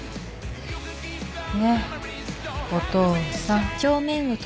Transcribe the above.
ねっお父さん。